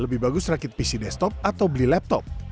lebih bagus rakit pc destop atau beli laptop